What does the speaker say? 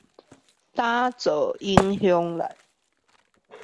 打造影響力